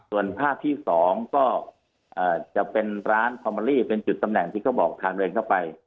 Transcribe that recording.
ส่วนภาพที่๒ก็จะเป็นร้านเป็นจุดตำแหน่งที่เขาบอกทางเดินเข้าไป